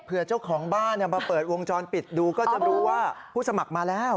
เพื่อเจ้าของบ้านมาเปิดวงจรปิดดูก็จะรู้ว่าผู้สมัครมาแล้ว